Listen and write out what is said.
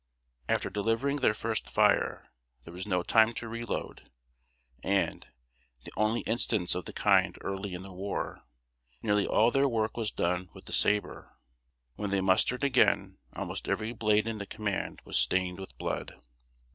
After delivering their first fire, there was no time to reload, and (the only instance of the kind early in the war) nearly all their work was done with the saber. When they mustered again, almost every blade in the command was stained with blood.